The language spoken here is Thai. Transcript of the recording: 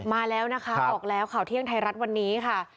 มาแล้วนะคะออกแล้วข่าวเที่ยงไทยรัฐวันนี้ค่ะ